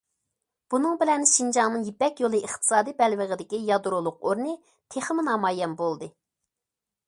بۇنىڭ بىلەن شىنجاڭنىڭ يىپەك يولى ئىقتىساد بەلبېغىدىكى يادرولۇق ئورنى تېخىمۇ نامايان بولدى.